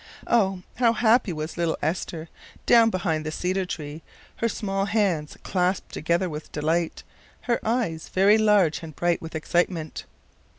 Oh! How happy was little Esther, down behind the cedar tree, her small hands clasped together with delight, her eyes very large and bright with excitement.